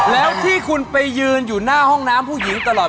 แล้วที่คุณไปยืนอยู่หน้าห้องน้ำผู้หญิงตลอด